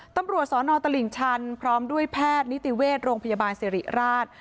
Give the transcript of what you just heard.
ตำรวจสนตลิ่งชันพร้อมด้วยแพทย์นิติเวชโรงพยาบาลสิริราช